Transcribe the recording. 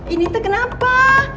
ini itu kenapa